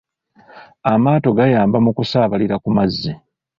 Amaato gayamba mu kusaabalira ku mazzi.